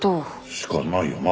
しかないよな。